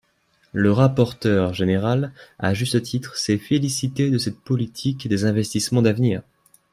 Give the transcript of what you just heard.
Le rapporteur général, à juste titre, s’est félicité de cette politique des investissements d’avenir.